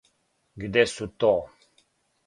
Где су то?